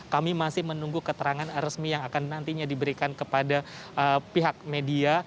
kami masih menunggu keterangan resmi yang akan nantinya diberikan kepada pihak media